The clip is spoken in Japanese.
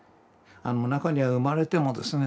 中には生まれてもですね